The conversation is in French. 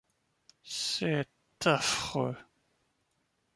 C'est affreux !